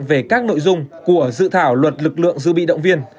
về các nội dung của dự thảo luật lực lượng dự bị động viên